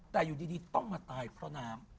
แต่อยู่ดีต้องมาตายเพราะน้ำ